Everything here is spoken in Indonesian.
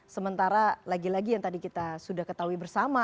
sementara lagi lagi yang tadi kita sudah ketahui bersama